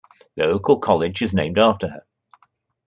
The local college is named after her.